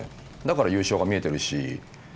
だから優勝が見えてるし。